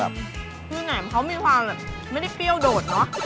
แหน่มเขามีความแบบไม่ได้เตี๊ยวโดดนะ